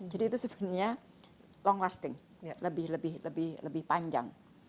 jadi itu sebenarnya long lasting lebih lebih panjang